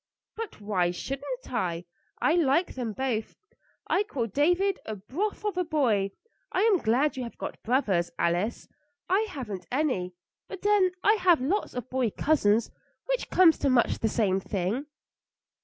"But why shouldn't I? I like them both. I call David a broth of a boy. I am glad you have got brothers, Alice. I haven't any; but then I have lots of boy cousins, which comes to much the same thing."